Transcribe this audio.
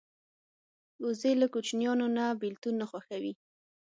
وزې له کوچنیانو نه بېلتون نه خوښوي